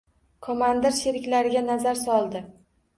Komandir sheriklariga nazar soldi.